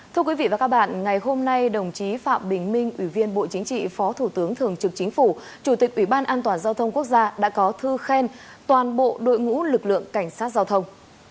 thưa quý vị và các bạn ngày hôm nay đồng chí phạm bình minh ủy viên bộ chính trị phó thủ tướng thường trực chính phủ chủ tịch ủy ban an toàn giao thông quốc gia đã có thư khen toàn bộ đội ngũ lực lượng cảnh sát giao thông